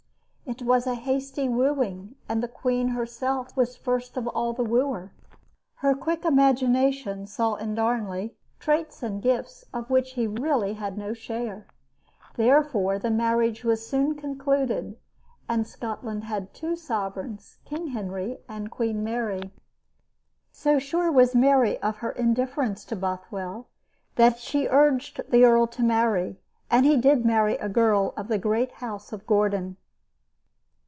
It was a hasty wooing, and the queen herself was first of all the wooer. Her quick imagination saw in Darnley traits and gifts of which he really had no share. Therefore, the marriage was soon concluded, and Scotland had two sovereigns, King Henry and Queen Mary. So sure was Mary of her indifference to Bothwell that she urged the earl to marry, and he did marry a girl of the great house of Gordon.